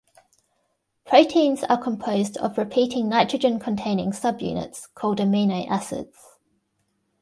Proteins are composed of repeating nitrogen-containing subunits called amino acids.